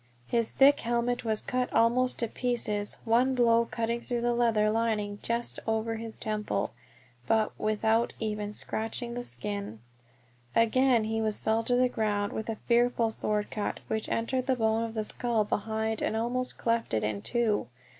His thick helmet was cut almost to pieces, one blow cutting through the leather lining just over the temple, but without even scratching the skin! Again he was felled to the ground, with a fearful sword cut, which entered the bone of the skull behind and almost cleft it in two.